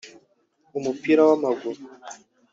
umupira w’amaguru